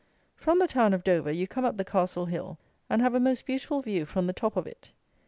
From the town of Dover you come up the Castle Hill, and have a most beautiful view from the top of it.